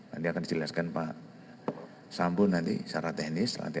nanti akan dijelaskan pak sambu nanti secara teknis